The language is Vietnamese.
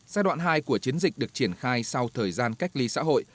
giai đoạn hai của chiến dịch được triển khai sau thời gian cách ly xã hội